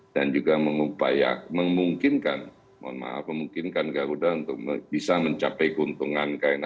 dan juga memungkinkan garuda untuk bisa mencapai keuntungan